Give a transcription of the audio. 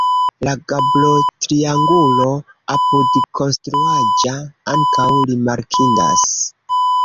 La gablotrianglo apudkonstruaĵa ankaŭ rimarkindas.